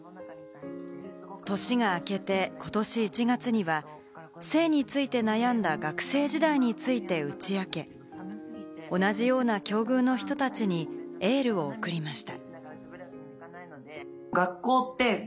年が明けてことし１月には、性について悩んだ学生時代について打ち明け、同じような境遇の人たちにエールを送りました。